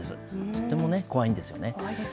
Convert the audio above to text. とても怖いんですよね。